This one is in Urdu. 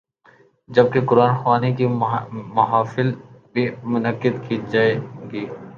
جب کہ قرآن خوانی کی محافل بھی منعقد کی جائیں گی۔